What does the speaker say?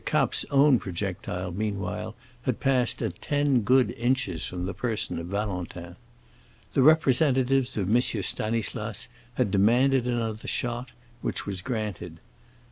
Kapp's own projectile, meanwhile, had passed at ten good inches from the person of Valentin. The representatives of M. Stanislas had demanded another shot, which was granted.